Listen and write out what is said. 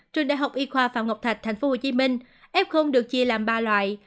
trường đại học y khoa phạm ngọc thạch tp hcm f được chia làm ba loại